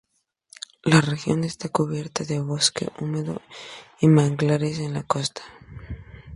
La región está cubierta de bosque húmedo y manglares en la costa.